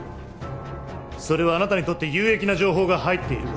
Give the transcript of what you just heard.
それはあなたにとって有益な情報が入っているからだ。